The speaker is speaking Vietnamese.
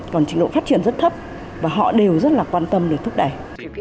còn trình độ phát triển rất thấp và họ đều rất là quan tâm để thúc đẩy